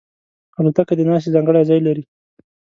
الوتکه د ناستې ځانګړی ځای لري.